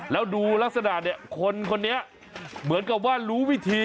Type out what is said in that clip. แล้วดูลักษณะเนี่ยคนคนนี้เหมือนกับว่ารู้วิธี